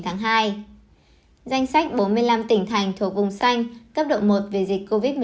danh sách bốn mươi năm tỉnh thành thuộc vùng xanh cấp độ một về dịch covid một mươi chín